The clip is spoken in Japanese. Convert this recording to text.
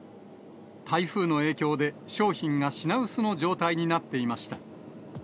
台風の影響で、商品が品薄の状態になっていました。